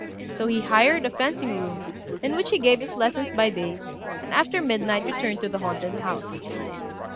So he hired a fencing room, in which he gave his lessons by day, and after midnight returned to the haunted house.